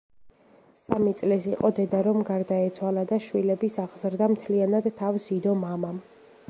სამი წლის იყო დედა რომ გარდაეცვალა და შვილების აღზრდა მთლიანად თავს იდო მამამ.